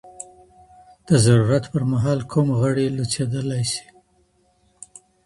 د ضرورت پر مهال کوم غړي لوڅيدلای سي؟